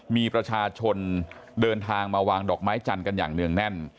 มีประชาชนเดินทางมาวางดอกไม้จันทร์กันอย่างเนื่องแน่น